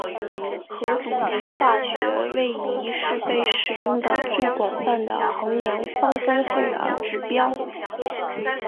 核独立化学位移是被使用得最广泛的衡量芳香性的指标。